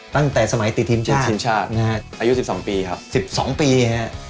ตั้งแต่สมัยติดทีม๗ทีมชาตินะฮะอายุ๑๒ปีครับ๑๒ปีฮะ